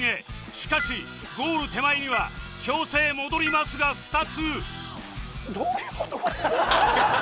しかしゴール手前には強制戻りマスが２つ